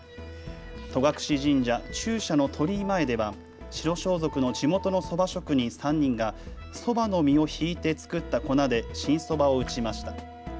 戸隠神社中社の鳥居前では白装束の地元のそば職人３人がそばの実をひいて作った粉で新そばを打ちました。